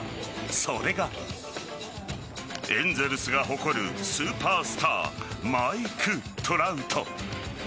それがエンゼルスが誇るスーパースターマイク・トラウト。